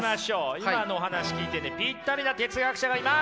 今のお話聞いててピッタリな哲学者がいます！